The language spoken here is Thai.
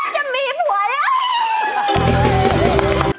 จะมีผัวแล้ว